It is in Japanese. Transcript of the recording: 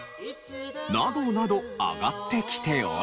などなど挙がってきており。